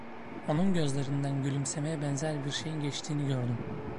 Onun gözlerinden gülümsemeye benzer bir şeyin geçtiğini gördüm.